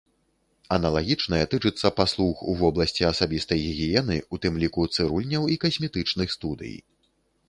Аналагічнае тычыцца паслуг у вобласці асабістай гігіены, у тым ліку цырульняў і касметычных студый.